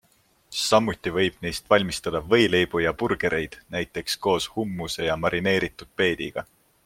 Samuti võib neist valmistada võileibu ja burgereid, näiteks koos hummuse ja marineeritud peediga.